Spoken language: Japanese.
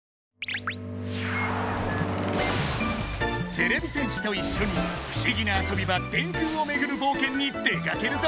てれび戦士といっしょに不思議な遊び場電空をめぐる冒険に出かけるぞ！